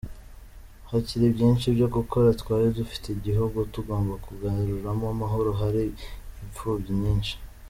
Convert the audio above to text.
Hari byinshi byo gukora, twari dufite igihugu tugomba kugaruramo amahoro, hari imfubyi nyinshi.